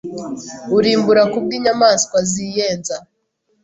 urimbura Kubwinyamanswa ziyenza